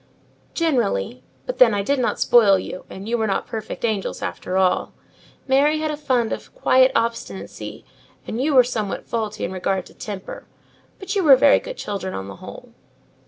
"Generally: but then, I did not spoil you; and you were not perfect angels after all: Mary had a fund of quiet obstinacy, and you were somewhat faulty in regard to temper; but you were very good children on the whole."